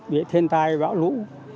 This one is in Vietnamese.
bị thiên tài bão lũ